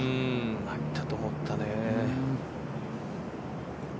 入ったと思ったね。